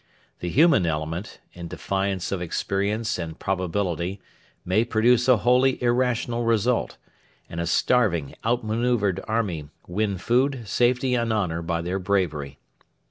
The human element in defiance of experience and probability may produce a wholly irrational result, and a starving, out manœuvred army win food, safety, and honour by their bravery.